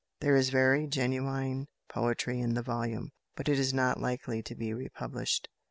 There is very genuine poetry in the volume, but it is not likely to be republished.